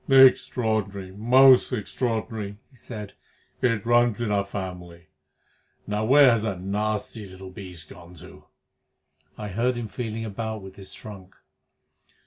"Extraordinary! Most extraordinary!" he said. "It runs in our family. Now, where has that nasty little beast gone to?" I heard him feeling about with his trunk.